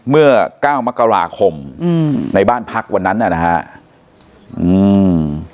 เมื่อเก้ามกราคมอืมในบ้านพักวันนั้นน่ะนะฮะอืม